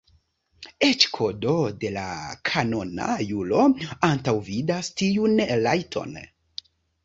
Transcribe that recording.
Eĉ Kodo de la Kanona juro antaŭvidas tiun rajton.